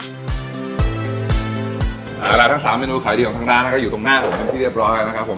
แล้วทั้ง๓เมนูขายดีของทางร้านก็อยู่ตรงหน้าผมที่เรียบร้อยนะครับ